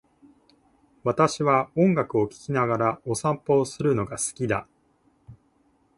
私は音楽を聴きながらお散歩をするのが好きだ。